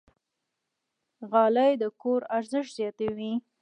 غالۍ د کور ارزښت زیاتوي.